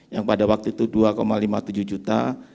yang pada waktu itu dua lima puluh tujuh juta